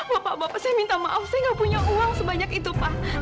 loh pak bapak saya minta maaf saya nggak punya uang sebanyak itu pak